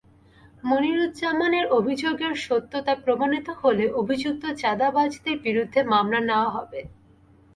মনিরুজ্জামানের অভিযোগের সত্যতা প্রমাণিত হলে অভিযুক্ত চাঁদাবাজদের বিরুদ্ধে মামলা নেওয়া হবে।